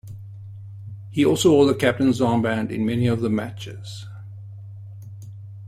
He also wore the captain's armband in many of the matches.